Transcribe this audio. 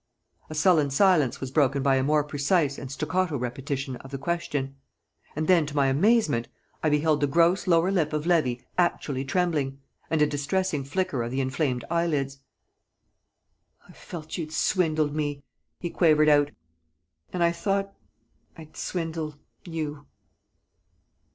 A sullen silence was broken by a more precise and staccato repetition of the question. And then to my amazement, I beheld the gross lower lip of Levy actually trembling, and a distressing flicker of the inflamed eyelids. "I felt you'd swindled me," he quavered out "And I thought I'd swindle you."